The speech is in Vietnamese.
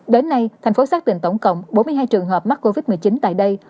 đến nay thành phố xác định tổng cộng bốn mươi hai trường hợp mắc covid một mươi chín tại đây